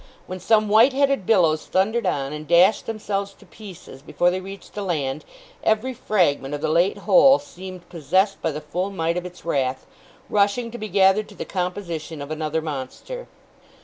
When some white headed billows thundered on, and dashed themselves to pieces before they reached the land, every fragment of the late whole seemed possessed by the full might of its wrath, rushing to be gathered to the composition of another monster.